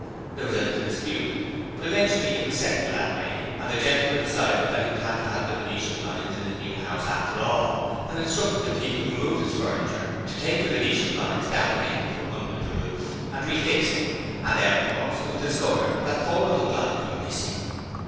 There was a little dispute, but eventually it was settled that way and the gentleman decided that he would have the venetian blinds in his new house after all, and instructed the people who moved his furniture to take the venetians down again from under the roof, and refix them, and then, of course, it was discovered that four of the blinds were missing.